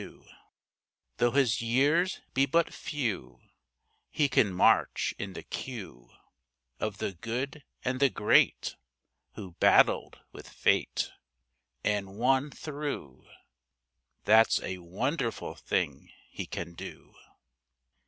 Though his years be but few, He can march in the queue Of the Good and the Great, Who battled with fate And won through That's a wonderful thing he can do.